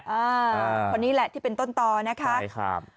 อ่าคนนี้แหละที่เป็นต้นต่อนะคะใช่ครับ